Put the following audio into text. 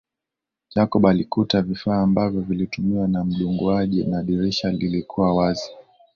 Jacob alikuta vifaa ambavyo vilitumiwa na mdunguaji na dirisha lilikuwa wazi